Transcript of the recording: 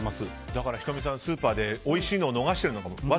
だから仁美さんスーパーでおいしいのを逃してるのかも。